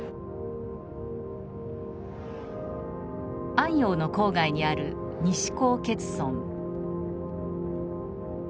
安陽の郊外にある西高穴村。